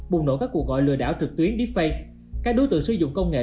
bùng nổ các cuộc gọi lừa đảo trực tuyến deepfake các đối tượng sử dụng công nghệ